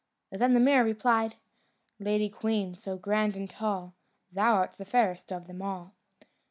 Then the mirror replied: "Lady queen, so grand and tall, Thou art the fairest of them all."